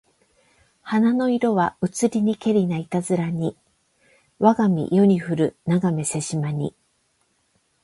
花の色はうつりにけりないたづらにわが身世にふるながめせしまに